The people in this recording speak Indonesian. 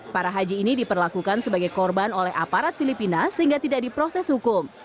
para haji ini diperlakukan sebagai korban oleh aparat filipina sehingga tidak diproses hukum